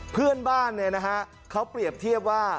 เพื่อนบ้านเนี่ยนะฮะเขาเปรียบเทียบว่า